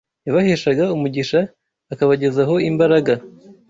yabaheshaga umugisha, akabagezaho imbaraga